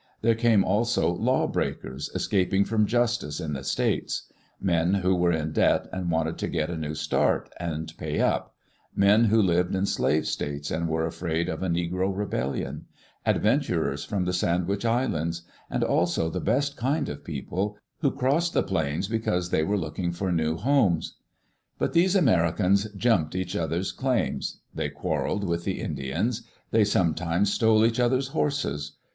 There came also law breakers, escaping from justice in "the States;" men who were in debt and wanted to get a new start and pay up; men who lived in slave states and were afraid of a negro rebellion; adventurers from the Sandwich Islands; and also the best kind of people, who crossed the plains because they were looking for new homes. But these Americans "jumped" each other's claims. They quarreled with the Indians. They sometimes stole each other's horses.